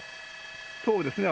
そうですね。